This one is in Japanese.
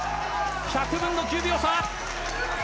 １００分の９秒差！